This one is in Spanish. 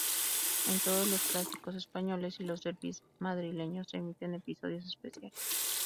En todos los clásicos españoles y los derbis madrileños se emiten episodios especiales.